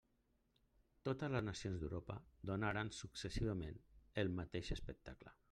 Totes les nacions d'Europa donaren successivament el mateix espectacle.